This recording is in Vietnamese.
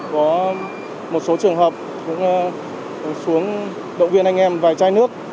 có một số trường hợp cũng xuống động viên anh em vài chai nước